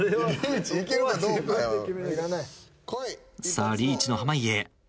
さあリーチの濱家。